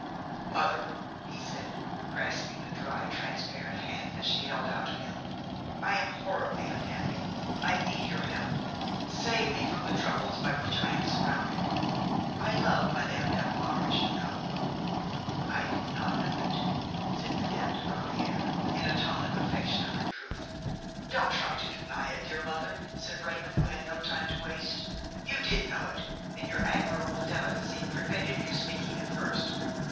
"Mother," he said grasping the dry, transparent hand that she held out to him, "I am horribly unhappy, I need your help. Save me from the troubles by which I am surrounded. I love Madame Delmare, as you know–" "I did not know it," said Madame de Ramière, in a tone of affectionate reproof. "Don't try to deny it, dear mother," said Raymon, who had no time to waste; "you did know it, and your admirable delicacy prevented you speaking it first.